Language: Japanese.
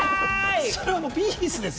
それはもうピースです。